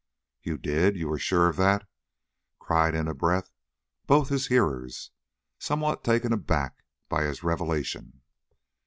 "You did? You are sure of that?" cried, in a breath, both his hearers, somewhat taken aback by this revelation.